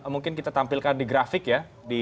mungkin kita tampilkan di grafik ya